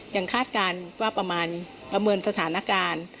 คาดการณ์ว่าประมาณประเมินสถานการณ์